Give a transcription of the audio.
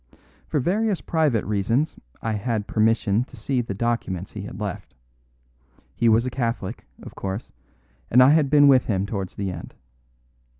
For various private reasons I had permission to see the documents he had left; he was a Catholic, of course, and I had been with him towards the end.